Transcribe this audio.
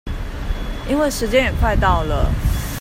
因為時間也快到了